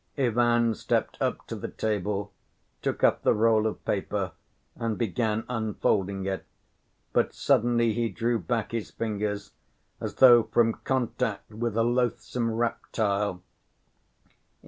Ivan stepped up to the table, took up the roll of paper and began unfolding it, but suddenly he drew back his fingers, as though from contact with a loathsome reptile.